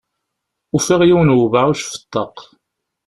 Ufiɣ yiwen n webɛuc ɣef ṭṭaq.